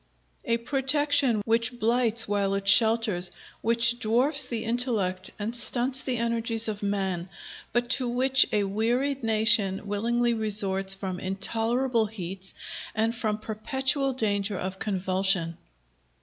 a protection which blights while it shelters; which dwarfs the intellect and stunts the energies of man, but to which a wearied nation willingly resorts from intolerable heats and from perpetual danger of convulsion.